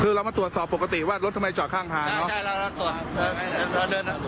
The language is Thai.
คือเรามาตรวจสอบปกติว่ารถทำไมจอดข้างทางเนอะน่ะใช่เราเราตรวจเราเดิน